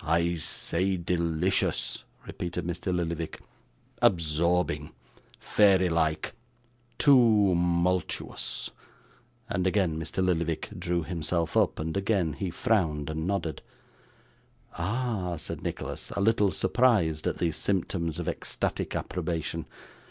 'I say, delicious,' repeated Mr. Lillyvick. 'Absorbing, fairy like, toomultuous,' and again Mr. Lillyvick drew himself up, and again he frowned and nodded. 'Ah!' said Nicholas, a little surprised at these symptoms of ecstatic approbation.